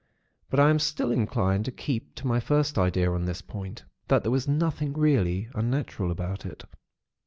But I am still inclined to keep to my first idea on this point, that there was nothing really unnatural about it.